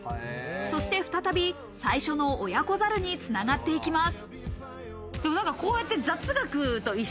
そして再び最初の親子猿に繋がっていきます。